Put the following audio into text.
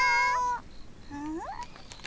うん？